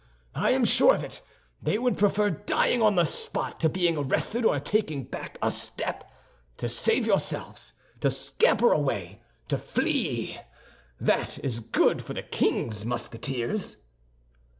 I am sure of it—they would prefer dying on the spot to being arrested or taking back a step. To save yourselves, to scamper away, to flee—that is good for the king's Musketeers!"